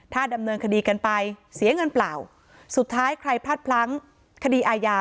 ถ้าดำเนินคดีกันไปเสียเงินเปล่าสุดท้ายใครพลาดพลั้งคดีอาญา